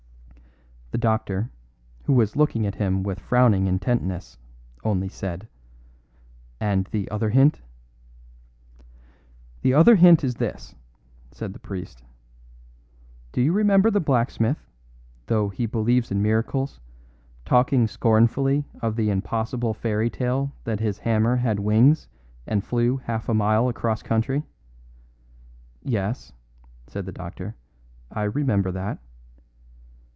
The doctor, who was looking at him with frowning intentness, only said: "And the other hint?" "The other hint is this," said the priest. "Do you remember the blacksmith, though he believes in miracles, talking scornfully of the impossible fairy tale that his hammer had wings and flew half a mile across country?" "Yes," said the doctor, "I remember that."